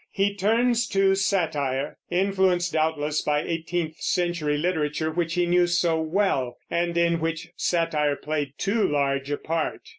He turns to satire, influenced, doubtless, by eighteenth century literature which he knew so well, and in which satire played too large a part.